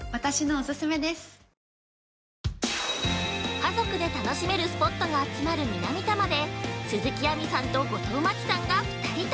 ◆家族で楽しめるスポットが集まる南多摩で鈴木亜美さんと後藤真希さんが２人旅！